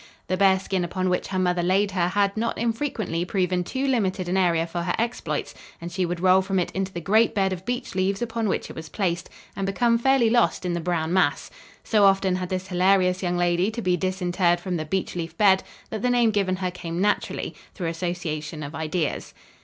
The bearskin upon which her mother laid her had not infrequently proven too limited an area for her exploits and she would roll from it into the great bed of beech leaves upon which it was placed, and become fairly lost in the brown mass. So often had this hilarious young lady to be disinterred from the beech leaf bed, that the name given her came naturally, through association of ideas.